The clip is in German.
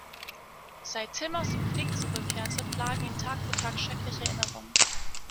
Seit Tim aus dem Krieg zurückkehrte, plagen ihn Tag für Tag schreckliche Erinnerungen.